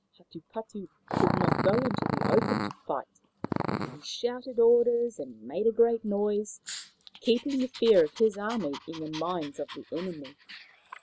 Hatupatu could not go into the open to fight, but he shouted orders and made a great noise, keeping the fear of his army in the minds of the enemy.